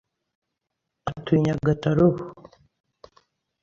atuye i Nyagatare ubu